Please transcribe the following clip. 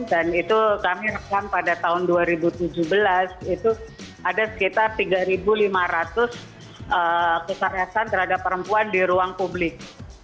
dan itu kami rekam pada tahun dua ribu tujuh belas itu ada sekitar tiga lima ratus kekerasan terhadap perempuan di ruang publik